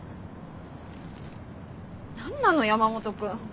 何なの山本君。